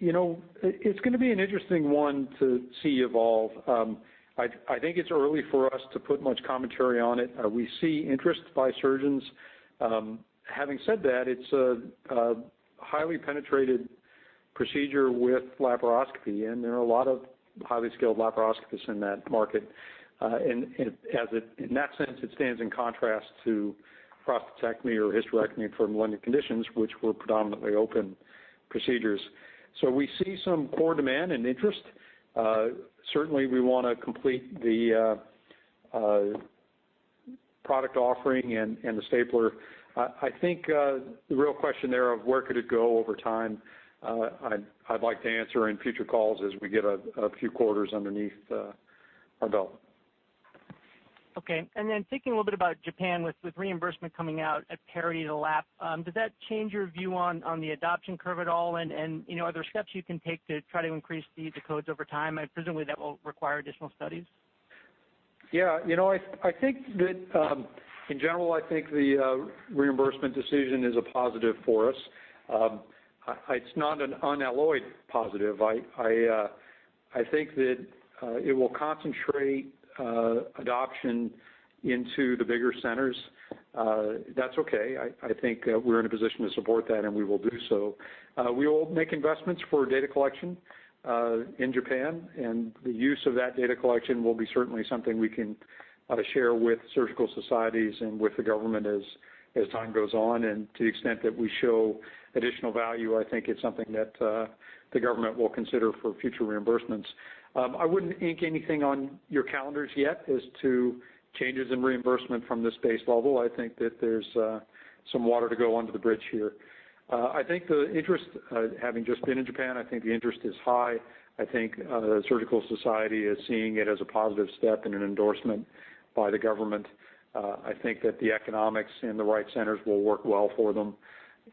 S3: It's going to be an interesting one to see evolve. I think it's early for us to put much commentary on it. We see interest by surgeons. Having said that, it's a highly penetrated procedure with laparoscopy, and there are a lot of highly skilled laparoscopists in that market. In that sense, it stands in contrast to prostatectomy or hysterectomy for malignant conditions, which were predominantly open procedures. We see some core demand and interest. Certainly, we want to complete the product offering and the stapler. I think the real question there of where could it go over time, I'd like to answer in future calls as we get a few quarters underneath our belt.
S8: Okay. Then thinking a little bit about Japan with reimbursement coming out at parity to lap. Does that change your view on the adoption curve at all? Are there steps you can take to try to increase the codes over time? Presumably, that will require additional studies.
S3: Yeah. In general, I think the reimbursement decision is a positive for us. It's not an unalloyed positive. I think that it will concentrate adoption into the bigger centers. That's okay. I think we're in a position to support that, and we will do so. We will make investments for data collection in Japan, and the use of that data collection will be certainly something we can share with surgical societies and with the government as time goes on. To the extent that we show additional value, I think it's something that the government will consider for future reimbursements. I wouldn't ink anything on your calendars yet as to changes in reimbursement from this base level. I think that there's some water to go under the bridge here. Having just been in Japan, I think the interest is high. I think the surgical society is seeing it as a positive step and an endorsement by the government. I think that the economics in the right centers will work well for them,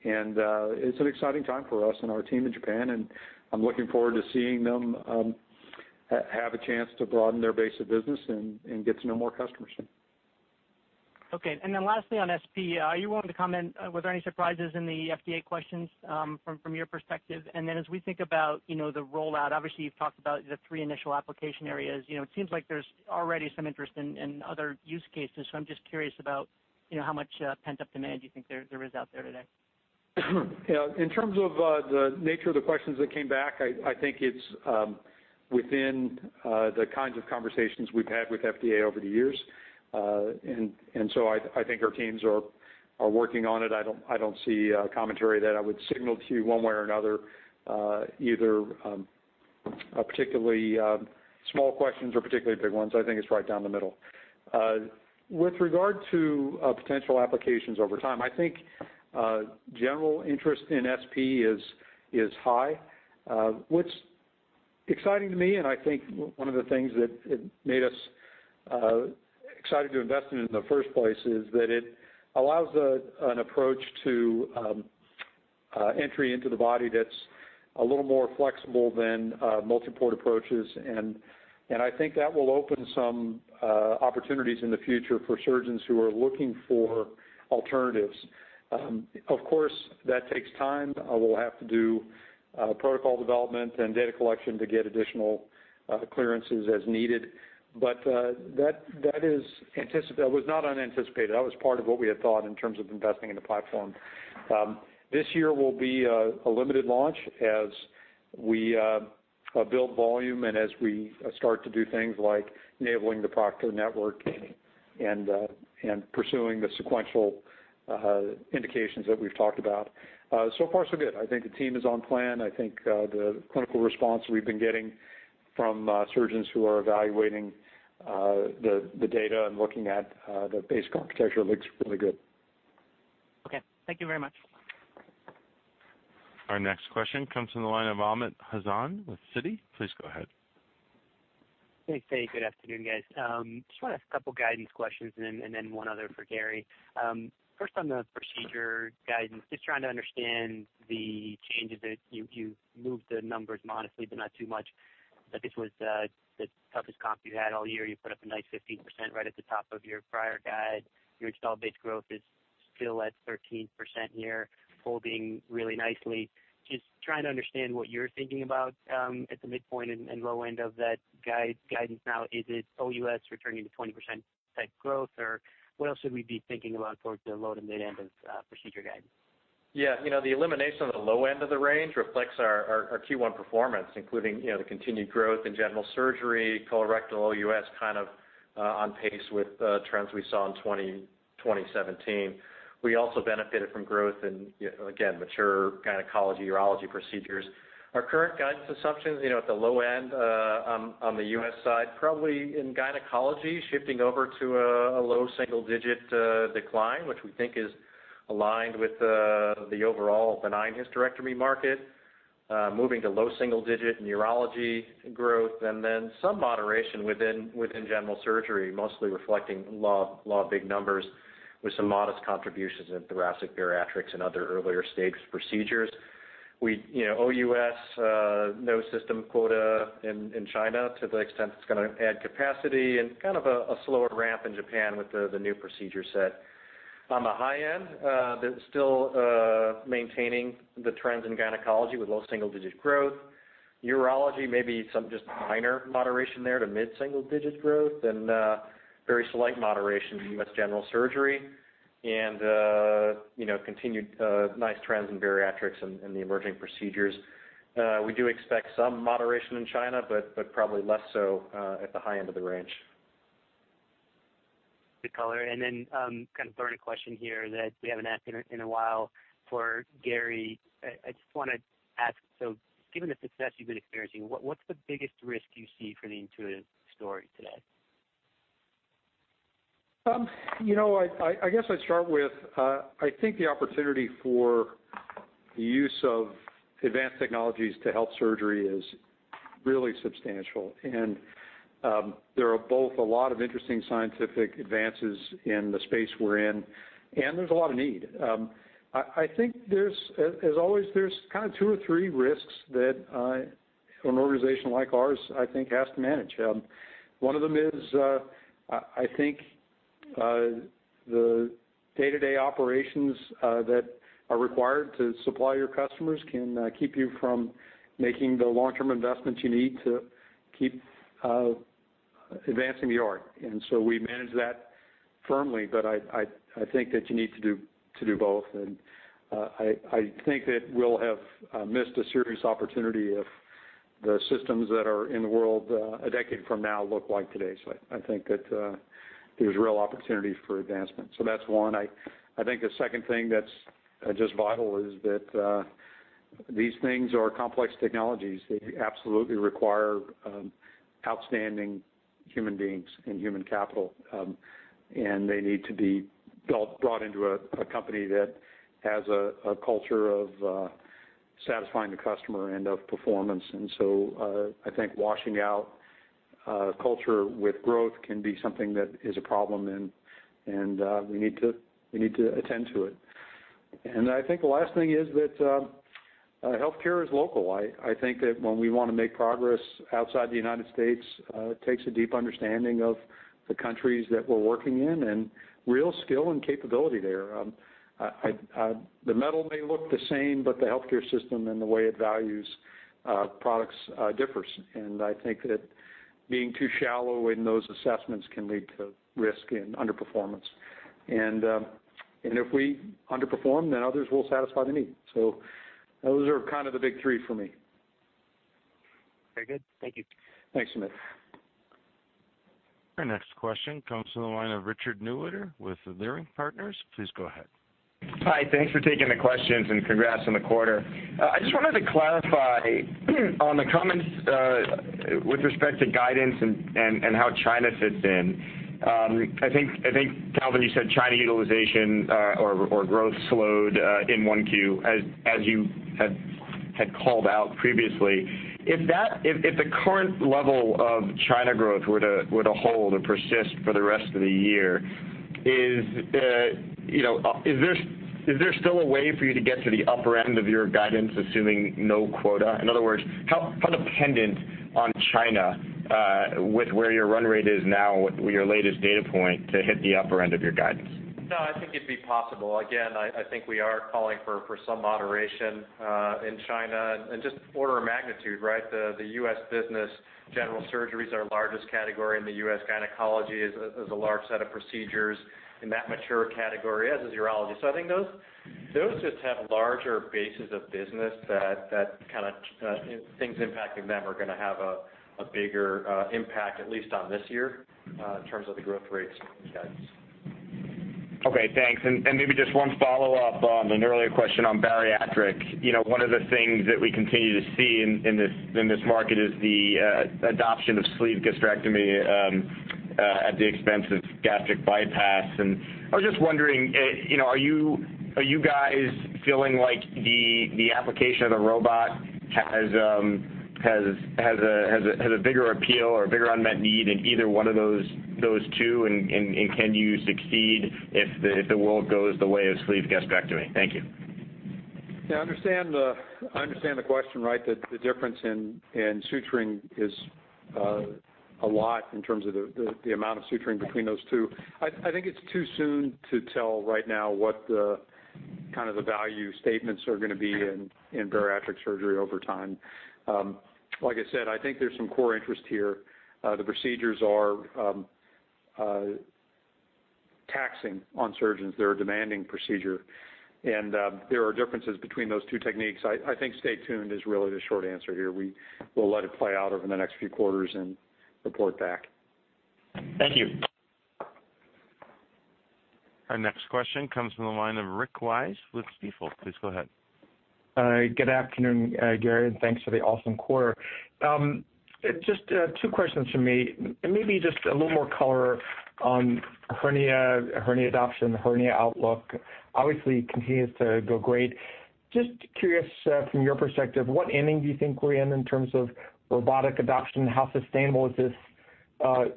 S3: and it's an exciting time for us and our team in Japan, and I'm looking forward to seeing them have a chance to broaden their base of business and get to know more customers.
S8: Okay. Lastly, on SP, are you willing to comment, were there any surprises in the FDA questions from your perspective? As we think about the rollout, obviously you've talked about the three initial application areas. It seems like there's already some interest in other use cases, so I'm just curious about how much pent-up demand you think there is out there today.
S3: In terms of the nature of the questions that came back, I think it's within the kinds of conversations we've had with FDA over the years. I think our teams are working on it. I don't see commentary that I would signal to you one way or another, either particularly small questions or particularly big ones. I think it's right down the middle. With regard to potential applications over time, I think general interest in SP is high, which is exciting to me, and I think one of the things that made us excited to invest in it in the first place is that it allows an approach to entry into the body that's a little more flexible than multi-port approaches. I think that will open some opportunities in the future for surgeons who are looking for alternatives. Of course, that takes time. We'll have to do protocol development and data collection to get additional clearances as needed, but that was not unanticipated. That was part of what we had thought in terms of investing in the platform. This year will be a limited launch as we build volume and as we start to do things like enabling the proctor network and pursuing the sequential indications that we've talked about. Far, so good. I think the team is on plan. I think the clinical response we've been getting from surgeons who are evaluating the data and looking at the basic architecture looks really good.
S8: Okay. Thank you very much.
S1: Our next question comes from the line of Amit Hazan with Citi. Please go ahead.
S9: Thanks. Hey, good afternoon, guys. Just want to ask two guidance questions and then one other for Gary. First on the procedure guidance, just trying to understand the changes that you've moved the numbers modestly, but not too much, that this was the toughest comp you had all year. You put up a nice 15% right at the top of your prior guide. Your installed base growth is still at 13% here, holding really nicely. Just trying to understand what you're thinking about at the midpoint and low end of that guidance now. Is it OUS returning to 20% type growth, or what else should we be thinking about towards the low to mid end of procedure guidance?
S3: Yeah. The elimination of the low end of the range reflects our Q1 performance, including the continued growth in general surgery, colorectal, OUS, kind of on pace with trends we saw in 2017. We also benefited from growth in, again, mature gynecology, urology procedures. Our current guidance assumptions at the low end on the U.S. side, probably in gynecology, shifting over to a low single-digit decline, which we think is aligned with the overall benign hysterectomy market. Moving to low single-digit urology growth, then some moderation within general surgery, mostly reflecting low big numbers with some modest contributions in thoracic bariatrics and other earlier-stage procedures. OUS, no system quota in China to the extent it's going to add capacity, and kind of a slower ramp in Japan with the new procedure set. On the high end, still maintaining the trends in gynecology with low single-digit growth. Urology, maybe some just minor moderation there to mid-single-digit growth, very slight moderation in U.S. general surgery, and continued nice trends in bariatrics and the emerging procedures. We do expect some moderation in China, but probably less so at the high end of the range.
S9: Good color. Kind of throwing a question here that we haven't asked in a while for Gary. I just want to ask, so given the success you've been experiencing, what's the biggest risk you see for the Intuitive story today?
S3: I guess I'd start with, I think the opportunity for the use of advanced technologies to help surgery is really substantial, and there are both a lot of interesting scientific advances in the space we're in, and there's a lot of need. I think as always, there's kind of two or three risks that an organization like ours, I think, has to manage. One of them is, I think, the day-to-day operations that are required to supply your customers can keep you from making the long-term investments you need to keep advancing the art. We manage that firmly, but I think that you need to do both. I think that we'll have missed a serious opportunity if the systems that are in the world a decade from now look like today. I think that there's real opportunities for advancement. That's one. I think the second thing that's just vital is that these things are complex technologies. They absolutely require outstanding human beings and human capital, and they need to be brought into a company that has a culture of satisfying the customer and of performance. I think washing out culture with growth can be something that is a problem, and we need to attend to it. I think the last thing is that healthcare is local. I think that when we want to make progress outside the U.S., it takes a deep understanding of the countries that we're working in and real skill and capability there. The metal may look the same, but the healthcare system and the way it values products differs. I think that being too shallow in those assessments can lead to risk and underperformance. If we underperform, then others will satisfy the need. Those are kind of the big three for me.
S9: Very good. Thank you.
S3: Thanks, Amit.
S1: Our next question comes from the line of Richard Newitter with Leerink Partners. Please go ahead.
S10: Hi. Thanks for taking the questions. Congrats on the quarter. I just wanted to clarify on the comments with respect to guidance and how China fits in. I think, Calvin, you said China utilization or growth slowed in 1Q, as you had called out previously. If the current level of China growth were to hold or persist for the rest of the year, is there still a way for you to get to the upper end of your guidance, assuming no quota? In other words, how dependent on China with where your run rate is now with your latest data point to hit the upper end of your guidance?
S2: No, I think it'd be possible. Again, I think we are calling for some moderation in China. Just order of magnitude, right? The U.S. business, general surgeries are our largest category in the U.S. Gynecology has a large set of procedures in that mature category, as is urology. I think those just have larger bases of business that things impacting them are going to have a bigger impact, at least on this year, in terms of the growth rates and guidance.
S10: Okay, thanks. Maybe just one follow-up on an earlier question on bariatric. One of the things that we continue to see in this market is the adoption of sleeve gastrectomy at the expense of gastric bypass. I was just wondering, are you guys feeling like the application of the robot has a bigger appeal or a bigger unmet need in either one of those two, and can you succeed if the world goes the way of sleeve gastrectomy? Thank you.
S3: I understand the question, right, that the difference in suturing is a lot in terms of the amount of suturing between those two. I think it's too soon to tell right now what the value statements are going to be in bariatric surgery over time. Like I said, I think there's some core interest here. The procedures are taxing on surgeons. They're a demanding procedure. There are differences between those two techniques. I think stay tuned is really the short answer here. We will let it play out over the next few quarters and report back.
S10: Thank you.
S1: Our next question comes from the line of Rick Wise with Stifel. Please go ahead.
S11: Good afternoon, Gary, thanks for the awesome quarter. Just two questions from me, maybe just a little more color on hernia adoption, hernia outlook. Obviously, it continues to go great. Just curious from your perspective, what inning do you think we're in in terms of robotic adoption? How sustainable is this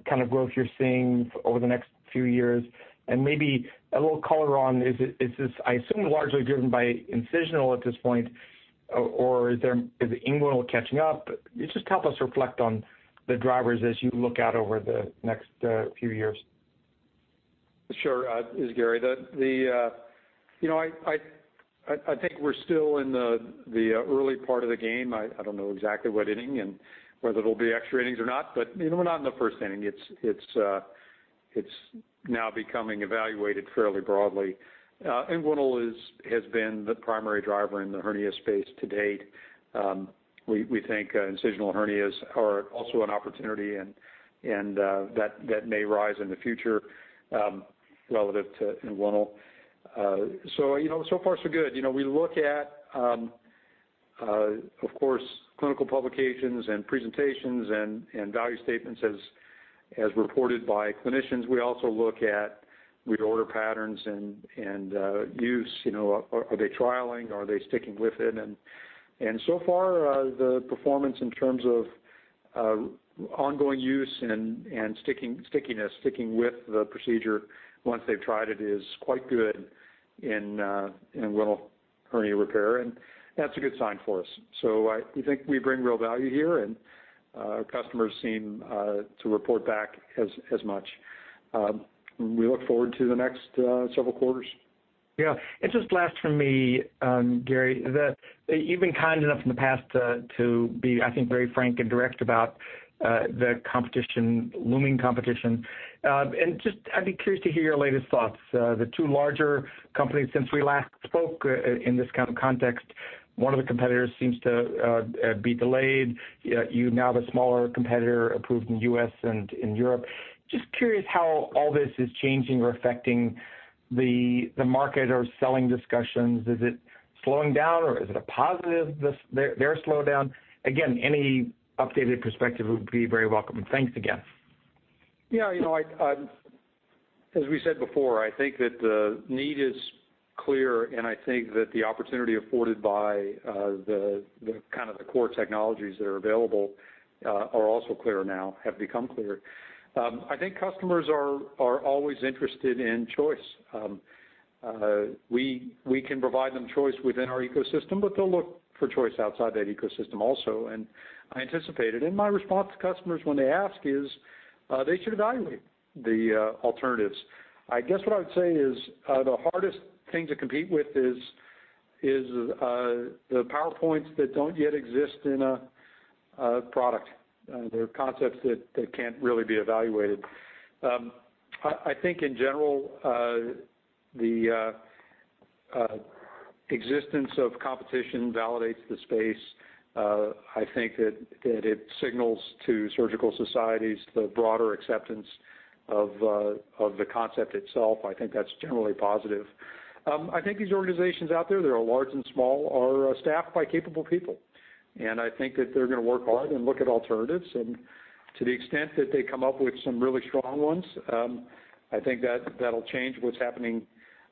S11: kind of growth you're seeing over the next few years? Maybe a little color on, is this, I assume, largely driven by incisional at this point, or is inguinal catching up? Just help us reflect on the drivers as you look out over the next few years.
S3: Sure. This is Gary. I think we're still in the early part of the game. I don't know exactly what inning and whether it will be extra innings or not, but we are not in the first inning. It is now becoming evaluated fairly broadly. Inguinal has been the primary driver in the hernia space to date. We think incisional hernias are also an opportunity, and that may rise in the future relative to inguinal. So far, so good. We look at, of course, clinical publications and presentations and value statements as reported by clinicians. We also look at reorder patterns and use. Are they trialing? Are they sticking with it? So far, the performance in terms of ongoing use and stickiness, sticking with the procedure once they have tried it is quite good in inguinal hernia repair, and that is a good sign for us. We think we bring real value here, and our customers seem to report back as much. We look forward to the next several quarters.
S11: Yeah. Just last from me, Gary, you have been kind enough in the past to be, I think, very frank and direct about the looming competition. Just, I would be curious to hear your latest thoughts. The two larger companies since we last spoke in this kind of context, one of the competitors seems to be delayed. You now have a smaller competitor approved in the U.S. and in Europe. Just curious how all this is changing or affecting the market or selling discussions. Is it slowing down, or is it a positive, their slowdown? Again, any updated perspective would be very welcome. Thanks again.
S3: Yeah. As we said before, I think that the need is clear, and I think that the opportunity afforded by the core technologies that are available are also clear now, have become clear. I think customers are always interested in choice. We can provide them choice within our ecosystem, but they will look for choice outside that ecosystem also, and I anticipate it. My response to customers when they ask is, they should evaluate the alternatives. I guess what I would say is, the hardest thing to compete with is the PowerPoints that do not yet exist in a product. They are concepts that cannot really be evaluated. I think in general, the existence of competition validates the space. I think that it signals to surgical societies the broader acceptance of the concept itself. I think that is generally positive. I think these organizations out there that are large and small are staffed by capable people. To the extent that they come up with some really strong ones, I think that'll change what's happening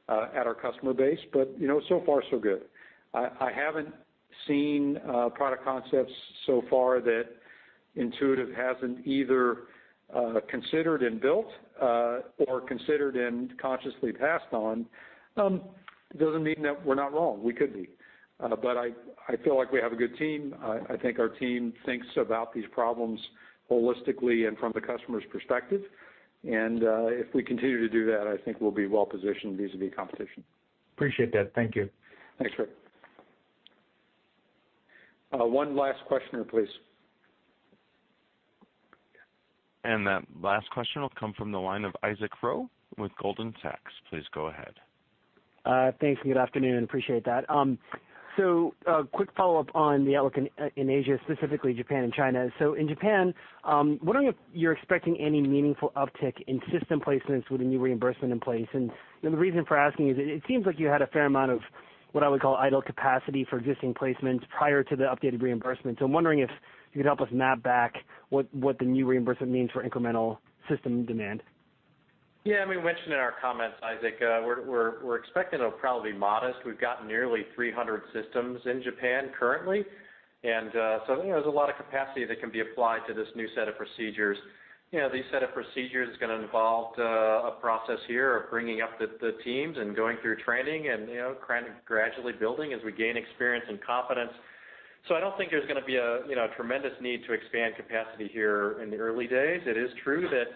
S3: at our customer base. So far, so good. I haven't seen product concepts so far that Intuitive hasn't either considered and built or considered and consciously passed on. Doesn't mean that we're not wrong. We could be. I feel like we have a good team. I think our team thinks about these problems holistically and from the customer's perspective. If we continue to do that, I think we'll be well positioned vis-a-vis competition.
S11: Appreciate that. Thank you.
S3: Thanks, Rick. One last questioner, please.
S1: That last question will come from the line of Isaac Ro with Goldman Sachs. Please go ahead.
S12: Thanks, and good afternoon. Appreciate that. A quick follow-up on the outlook in Asia, specifically Japan and China. In Japan, wondering if you're expecting any meaningful uptick in system placements with the new reimbursement in place. The reason for asking is it seems like you had a fair amount of what I would call idle capacity for existing placements prior to the updated reimbursement. I'm wondering if you could help us map back what the new reimbursement means for incremental system demand.
S2: We mentioned in our comments, Isaac, we're expecting it'll probably be modest. We've got nearly 300 systems in Japan currently, there's a lot of capacity that can be applied to this new set of procedures. These set of procedures is going to involve a process here of bringing up the teams and going through training and gradually building as we gain experience and confidence. I don't think there's going to be a tremendous need to expand capacity here in the early days. It is true that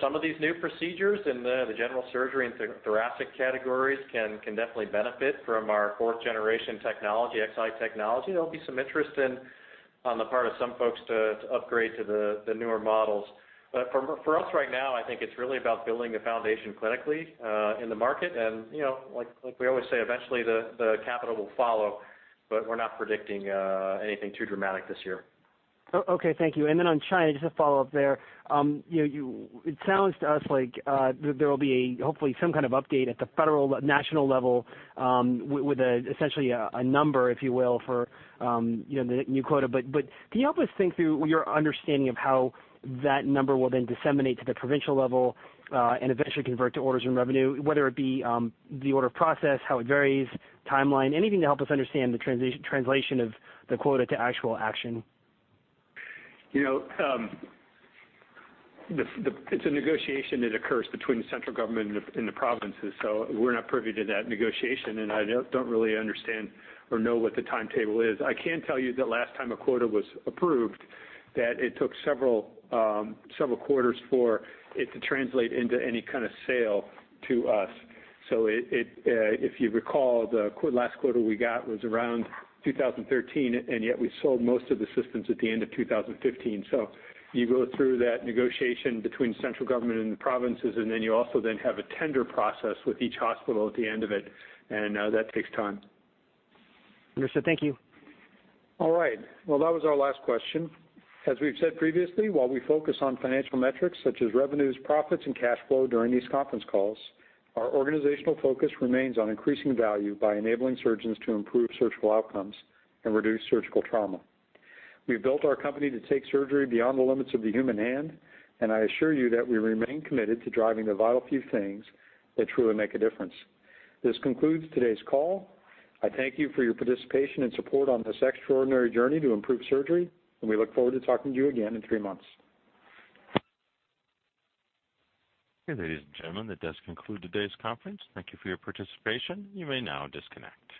S2: some of these new procedures in the general surgery and thoracic categories can definitely benefit from our fourth-generation technology, Xi technology. There'll be some interest on the part of some folks to upgrade to the newer models. For us right now, I think it's really about building the foundation clinically in the market. Like we always say, eventually the capital will follow, we're not predicting anything too dramatic this year.
S12: Okay. Thank you. On China, just a follow-up there. It sounds to us like there will be hopefully some kind of update at the federal, national level with essentially a number, if you will, for the new quota. Can you help us think through your understanding of how that number will then disseminate to the provincial level and eventually convert to orders and revenue, whether it be the order process, how it varies, timeline, anything to help us understand the translation of the quota to actual action?
S3: It's a negotiation that occurs between the central government and the provinces. We're not privy to that negotiation, and I don't really understand or know what the timetable is. I can tell you the last time a quota was approved, that it took several quarters for it to translate into any kind of sale to us. If you recall, the last quota we got was around 2013, and yet we sold most of the systems at the end of 2015. You go through that negotiation between central government and the provinces. Then you also have a tender process with each hospital at the end of it, and that takes time.
S12: Understood. Thank you.
S3: All right. That was our last question. As we've said previously, while we focus on financial metrics such as revenues, profits, and cash flow during these conference calls, our organizational focus remains on increasing value by enabling surgeons to improve surgical outcomes and reduce surgical trauma. We've built our company to take surgery beyond the limits of the human hand. I assure you that we remain committed to driving the vital few things that truly make a difference. This concludes today's call. I thank you for your participation and support on this extraordinary journey to improve surgery. We look forward to talking to you again in three months.
S1: Okay, ladies and gentlemen, that does conclude today's conference. Thank you for your participation. You may now disconnect.